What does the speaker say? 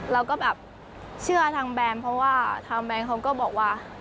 เราก็แบบเชื่อทางแบรนด์เพราะว่าทางแบรนด์เขาก็บอกว่า